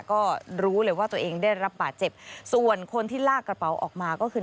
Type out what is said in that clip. ก็รู้เลยว่าตัวเองได้รับบาดเจ็บส่วนคนที่ลากกระเป๋าออกมาก็คือ